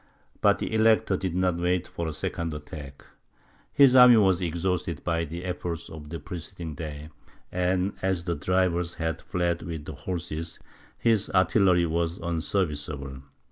But the Elector did not wait for a second attack. His army was exhausted by the efforts of the preceding day; and, as the drivers had fled with the horses, his artillery was unserviceable.